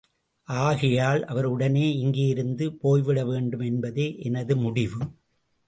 ஆகையால், அவர் உடனே இங்கேயிருந்து போய்விட வேண்டும் என்பதே எனது முடிவு.